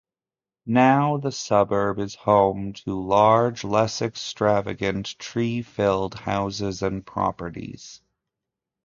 Now the suburb is home to large, extravagant, tree-filled houses and properties.